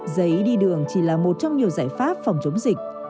giấy đi đường chỉ là một trong nhiều giải pháp phòng chống dịch